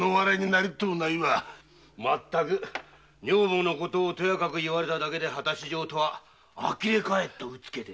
まったく女房のことをとやかく言われただけで果たし状とはあきれ返ったうつけで。